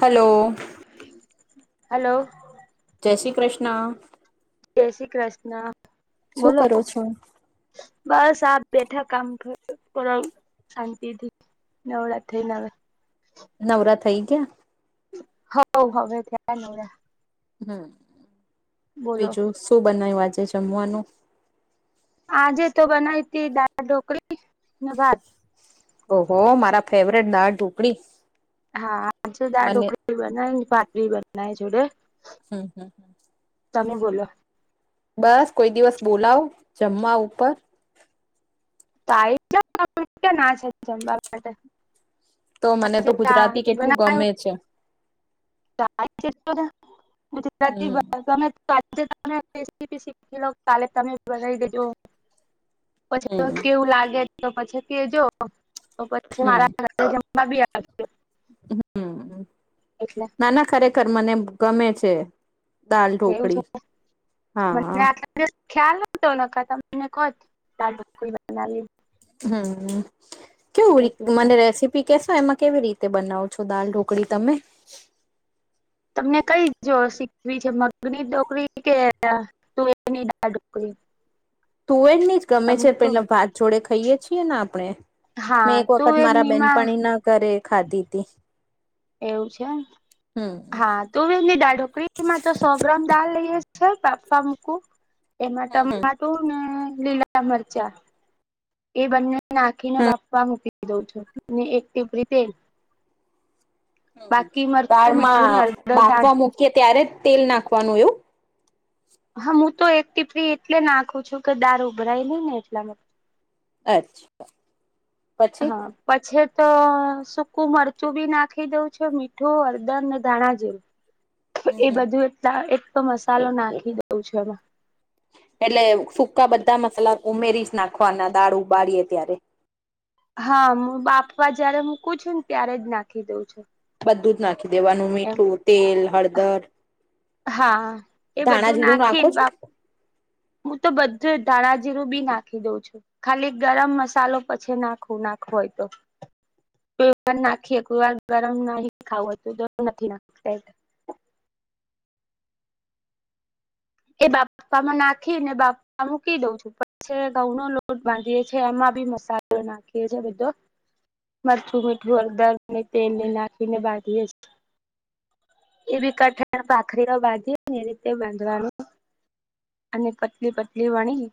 Hello. Hello. જય શ્રી કૃષ્ણ. જય શ્રી કૃષ્ણ. શું બોલો કરો છો. બસ આપ બેઠા કામ શાંતિથી. નાવરાત્રી ના નવરા થઈ ગયા? હ હવે થયા નવરા હમ બોલો બીજું શું બનાય્યું આજે જમવાનું? આજે તો બનાવી તી દાળ ઢોકળને ભાત. ઓહ મારા ફેવરેટ દાળ ઢુકડી હા દાળ ઢોકળી બનાય પાટરી બનાય જોડે. હમ, હમ. તમે બોલો. બસ કોઈ દિવસ બોલાવ જમવા ઉપર. આય જાઓ પણ કયા ના છે તમને. તો મને તો ગુજરાતી કેટલું ગમે [unintelligible] છે [unintelligible] આજે તમે હમ કાલે તમે [unintelligible] બનાવી દેજો હમ પછી કેવું લાગે તો પછી કે જો તો પછી હમ મારા [unintelligible] હમ એટલે નાના ખરેખર મને ગમે છે. દાલ એવું છે ઢોકળી હા મને હા. આટલા ખ્યાલ નતો ન તમને કોત બનાવી. હમ કેવું એટલે મને રસી પી કેશો એમાં કેવી રીતે બનાવ છો દાલ ઢોકળી તમે. તમને કઈ જો શીખવી છે મગની ડોકરી કે તુવેરની દાળ ઢોકળી. તુવેર ની જ ગમે છે તમને તો પેલા વાત જોડે ખાઈએ છીએ ને આપણે. હા મેં એક વખત મારા તુવેરનીમાં બેનપણીના ઘરે ખાધી હતી. એવું છે હા તું એ દાળ ઢોકરીમાં તો સો ગ્રામ દાળ લઈએ છે બાફવા મૂકું એમાં હમ હમ ટમાટું ને લીલા મરચાં. એ બંને નાખીને બાપવા મૂકી દઉં છો એક રીતે હમ મરચું મીઠું ને દાળમાં હળદર દાળ બાફવા મૂકીએ ત્યારે જ તેલ નાખવાનું એવું. હા હું તો એક ટી ફ્રી એટલે નાખું છું કે દાર ઉભરાય નઈ ને એટલા માટે. અચ્છા. પછી હા. પછી તો સૂકું મરચું બી નાખી દઉ છું મીઠું, હળદરને ધાણા જેરૂ. હમ એ હમ બધું એલા એક તો મસાલો નાખી દઉં છે એમાં. એટલે સુકા બધા મસાલા ઉમેરી નાખવાના દાળ ઉબાડીએ ત્યારે. હા હું બાપવા જયારે મૂકું છું ને ત્યારે જ નાખી દઉં છું. બધું જ નાખી દેવાનું એમ મીઠું, તેલ, હળદર. હા એ ધાણા બધું જીરું નાખો નાખેને છો બાપ હું તો બધું ધાણાજીરું બી નાખી દઉં છું. ખાલી ગરમ મસાલો પછી નાખવું નાખવુ હોય તો. કો વાર નાખીએ કોઈ વાર ગરમ ન ખાવું ત નથ નાખ. એ બાફવામાં નાખી ને બાપા મૂકી દઉં છું. પછ ઘઉં નો લોટ બાંધીએ છી એમાં બી મસાલો નાખીએ છીએ બધો. મરચું, મીઠું, હદરને તેલને નાખી ને બાંધીએ. એબી કઠણ ભખરીના બાંધી એ રીતે બાંધવાનું. અને પતલી પતલી વણીન